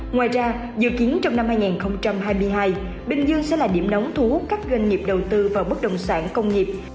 ngoài ra dự kiến trong năm hai nghìn hai mươi hai bình dương sẽ là điểm nóng thu hút các doanh nghiệp đầu tư vào bất đồng sản công nghiệp